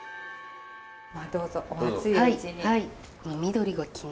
まあどうぞお熱いうちに。